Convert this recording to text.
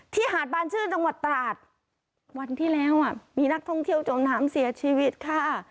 หาดบานชื่นจังหวัดตราดวันที่แล้วอ่ะมีนักท่องเที่ยวจมน้ำเสียชีวิตค่ะ